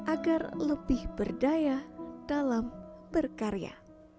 agar lebih berdaya dalam berkarya